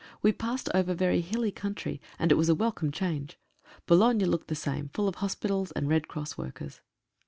We passed over very hilly country, and it was a welcome change. Boulogne looked the same — full of hospitals and Red Cross workers.